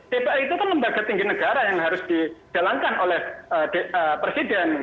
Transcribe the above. dpr itu kan lembaga tinggi negara yang harus dijalankan oleh presiden